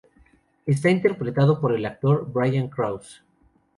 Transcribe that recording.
Está interpretado por el actor Brian Krause.